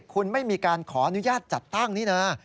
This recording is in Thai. คุณไม่มีการขออนุญาตจัดตั้งนี่นะ